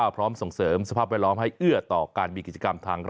พร้อมส่งเสริมสภาพแวดล้อมให้เอื้อต่อการมีกิจกรรมทางร่างกาย